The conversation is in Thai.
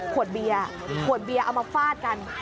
ขวดเบียเอามาฟาดกัน